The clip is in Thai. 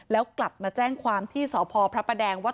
แล้วกลับมาแจ้งความที่สพพระประแดงว่า